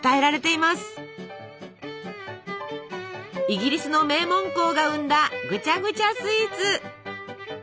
イギリスの名門校が生んだぐちゃぐちゃスイーツ。